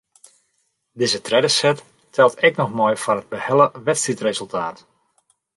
Dizze tredde set teld ek noch mei foar it behelle wedstriidresultaat.